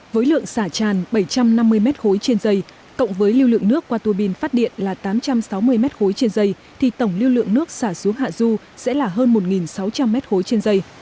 với lượng xả tràn bảy trăm năm mươi m ba trên dây cộng với lưu lượng nước qua tua bin phát điện là tám trăm sáu mươi m ba trên dây thì tổng lưu lượng nước xả xuống hạ du sẽ là hơn một sáu trăm linh m ba trên dây